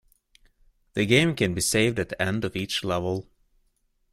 The game can be saved at the end of each level.